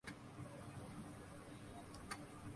جہاں تک درخت اور سبزے کا تعلق ہے۔